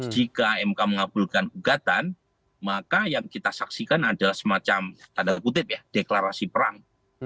jika mk mengabulkan gugatan maka yang kita saksikan adalah semacam tanda kutip ya deklarasi perang